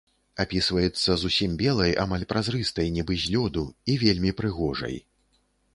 Апісваецца зусім белай, амаль празрыстай, нібы з лёду, і вельмі прыгожай.